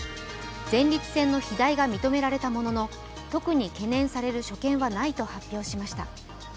前立腺の肥大が認められたものの特に懸念される所見はないと発表しました。